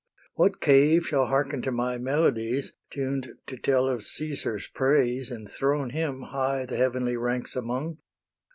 What cave shall hearken to my melodies, Tuned to tell of Caesar's praise And throne him high the heavenly ranks among?